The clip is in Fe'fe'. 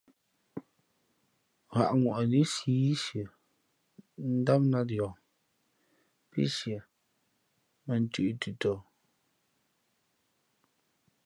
Ghǎʼŋwαʼnǐ siī sʉα ndām nāt yαα pí sʉα mᾱ nthʉ̄ʼ ntʉtɔ.